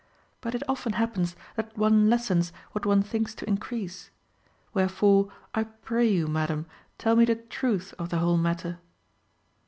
But it often happens that one lessens what one thinks to increase; wherefore, I pray you, madam, tell me the truth of the whole matter."